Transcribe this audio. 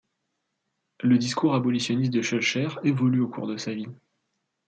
Le discours abolitionniste de Schœlcher évolue au cours de sa vie.